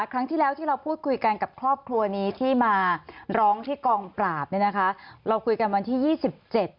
ครั้งที่แล้วที่เราพูดคุยกันกับครอบครัวนี้ที่มาร้องที่กองปราบเนี่ยนะคะเราคุยกันวันที่ยี่สิบเจ็ด